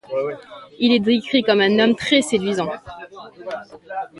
Il est décrit comme un homme très séduisant.